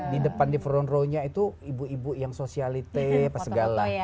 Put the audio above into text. di depan di front row nya itu ibu ibu yang sosialite apa segala